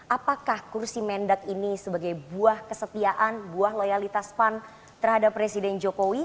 apakah kursi mendak ini sebagai buah kesetiaan buah loyalitas pan terhadap presiden jokowi